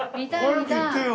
早く言ってよ。